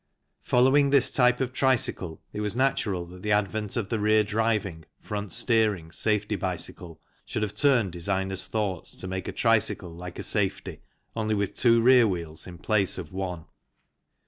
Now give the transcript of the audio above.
Following this type of tricycle it was natural that the advent of the rear driving, front steering safety bicycle should have turned designers' thoughts to make a tricycle like a safety, only with two rear wheels in place of one.